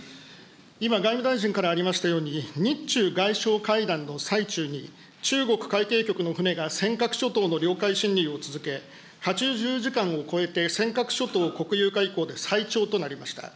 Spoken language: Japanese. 今、外務大臣からありましたように、日中外相会談の最中に、中国海警局の船が尖閣諸島の領海侵入を続け、８０時間を超えて、尖閣諸島を国有化以降で、最長となりました。